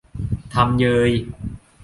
ทำเยย !